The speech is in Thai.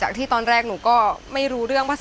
อายุ๒๔ปีวันนี้บุ๋มนะคะ